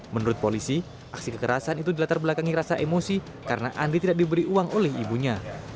menurut polisi aksi kekerasan itu dilatar belakangi rasa emosi karena andi tidak diberi uang oleh ibunya